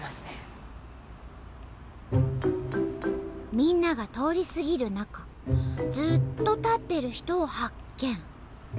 みんなが通り過ぎる中ずっと立ってる人を発見。